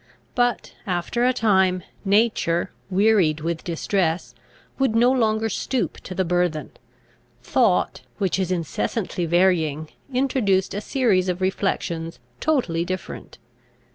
But, after a time, nature, wearied with distress, would no longer stoop to the burthen; thought, which is incessantly varying, introduced a series of reflections totally different.